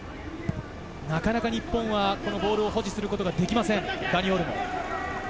なかなか日本はボールを保持することができません。